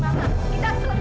mama jangan menghalangi mama